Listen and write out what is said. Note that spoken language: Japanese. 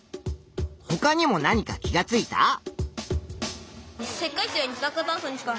ほかにも何か気がついた？